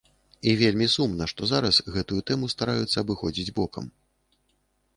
І вельмі сумна, што зараз гэтую тэму стараюцца абыходзіць бокам.